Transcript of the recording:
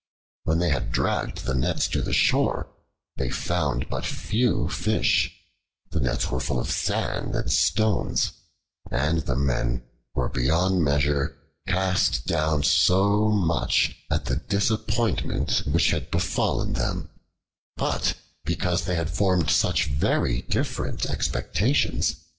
When they had dragged the nets to the shore they found but few fish: the nets were full of sand and stones, and the men were beyond measure cast down so much at the disappointment which had befallen them, but because they had formed such very different expectations.